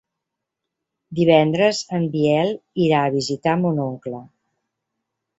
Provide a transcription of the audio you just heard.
Divendres en Biel irà a visitar mon oncle.